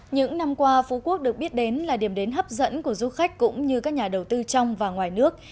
những năm qua phú quốc được biết đến là điểm đến hấp dẫn của du khách cũng như các nhà đầu tư trong và ngoài nước